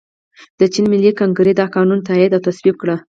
د چین ملي کنګرې دا قانون تائید او تصویب کړ.